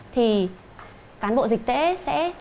thì cán bộ dịch tễ sẽ có thể xác định được